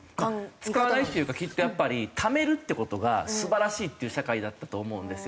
使わないっていうかきっとためるっていう事が素晴らしいっていう社会だったと思うんですよ。